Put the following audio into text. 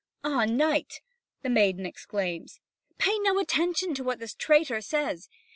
"Ah, knight!" the maid exclaims, "pay no attention to what this traitor says!